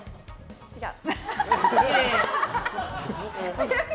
違う。